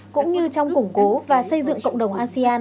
cũng như trong củng cố và xây dựng cộng đồng asean